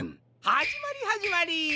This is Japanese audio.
はじまりはじまり！